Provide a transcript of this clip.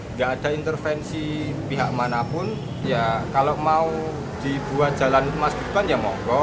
nggak ada intervensi pihak manapun ya kalau mau dibuat jalan mas gibran ya monggo